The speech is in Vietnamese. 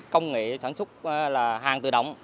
công nghệ sản xuất hàng tự động